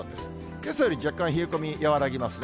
けさより若干冷え込み和らぎますね。